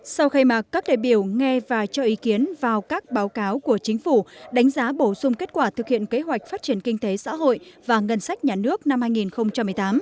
sau khai mạc các đại biểu nghe và cho ý kiến vào các báo cáo của chính phủ đánh giá bổ sung kết quả thực hiện kế hoạch phát triển kinh tế xã hội và ngân sách nhà nước năm hai nghìn một mươi tám